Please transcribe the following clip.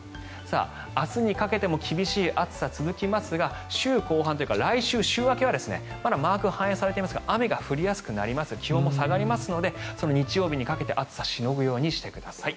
明日にかけても厳しい暑さが続きますが週後半というか来週週明けはまだマークが反映されていませんが雨が降り気温も下がりますので日曜日にかけて暑さをしのぐようにしてください。